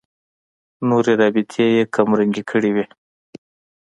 نورې رابطې یې کمرنګې کړې وي.